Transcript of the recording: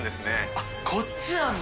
あっこっちなんだ。